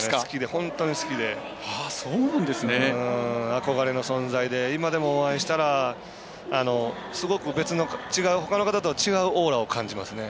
本当に好きで憧れの存在で今でもお会いしたらすごく、ほかの人とは違うオーラを感じますね。